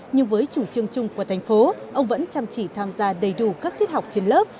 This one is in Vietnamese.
nhưng với chủ trương chung của thành phố ông vẫn chăm chỉ tham gia đầy đủ các tiết học trên lớp